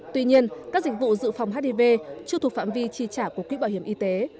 tuy nhiên các dịch vụ dự phòng hiv chưa thuộc phạm vi chi trả của quỹ bảo hiểm y tế